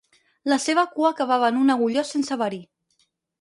La seva cua acabava en un agulló sense verí.